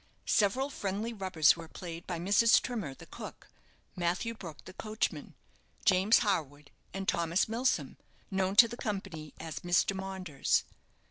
Several friendly rubbers were played by Mrs. Trimmer, the cook; Matthew Brook, the coachman; James Harwood, and Thomas Milsom, known to the company as Mr. Maunders.